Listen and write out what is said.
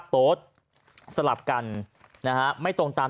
ก็ถือว่าถูกเหมือนกัน